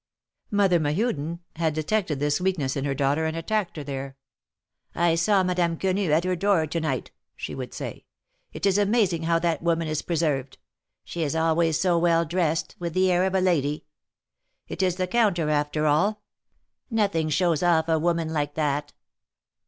Mother Mehuden had detected this weakness in her daughter, and attacked her there. I saw Madame Quenu at her door to night," she would say. 'Mt is amazing how that woman is preserved. She is always so well dressed, with the air of a lady. It is the counter, after all. Nothing shows off a woman like that."